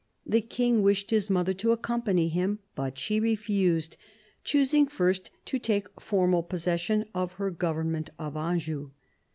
The King wished his mother to accom pany him, but she refused, choosing first to take formal possession of her government of Anjou.